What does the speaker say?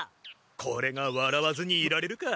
これがわらわずにいられるか。